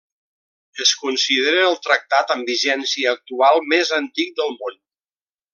Es considera el tractat amb vigència actual més antic del món.